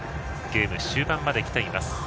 ゲーム終盤まできています。